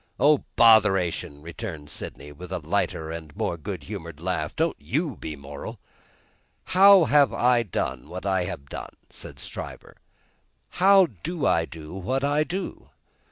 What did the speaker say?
"Oh, botheration!" returned Sydney, with a lighter and more good humoured laugh, "don't you be moral!" "How have I done what I have done?" said Stryver; "how do I do what I do?"